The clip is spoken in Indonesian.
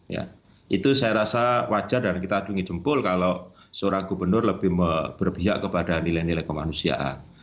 ya itu saya rasa wajar dan kita adungi jempol kalau seorang gubernur lebih berpihak kepada nilai nilai kemanusiaan